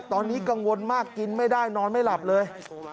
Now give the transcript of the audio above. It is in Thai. ตอนนี้กังวลมากกินไม่ได้นอนไม่หลับเลย